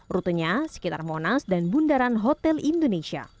rutenya sekitar monas dan bundaran hotel indonesia